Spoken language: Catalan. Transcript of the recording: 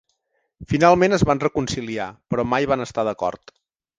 Finalment es van reconciliar, però mai van estar d'acord.